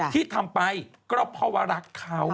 ที่ทำไปก็เพราะว่ารักเขา